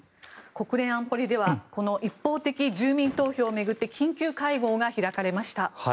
国連安保理ではこの一方的住民投票を巡って緊急会合が開かれました。